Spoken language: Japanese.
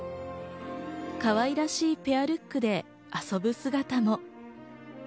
かわいらしいペアルックで遊ぶ姿も。